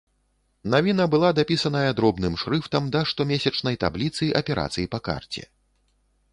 Навіна была дапісаная дробным шрыфтам да штомесячнай табліцы аперацый па карце.